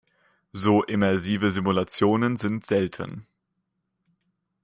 So immersive Simulationen sind selten.